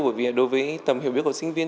bởi vì đối với tầm hiểu biết của sinh viên